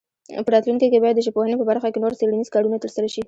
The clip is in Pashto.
په راتلونکي کې باید د ژبپوهنې په برخه کې نور څېړنیز کارونه ترسره شي.